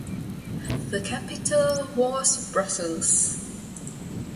The capital was Brussels.